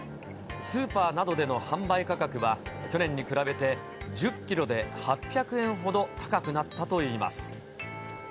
スーパーなどでの販売価格は、去年に比べて１０キロで８００円ほど高くなったといいます。